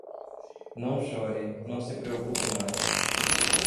Não chore, não se preocupe mais.